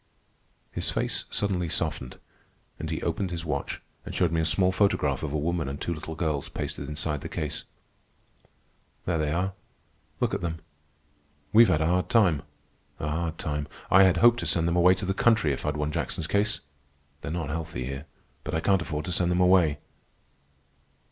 His face suddenly softened, and he opened his watch and showed me a small photograph of a woman and two little girls pasted inside the case. "There they are. Look at them. We've had a hard time, a hard time. I had hoped to send them away to the country if I'd won Jackson's case. They're not healthy here, but I can't afford to send them away."